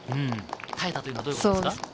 耐えたとは、どういうことですか？